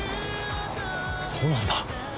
そそうなんだ。